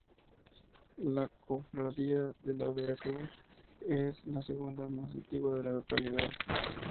La cofradía de la Vera Cruz es la segunda más antigua de la localidad.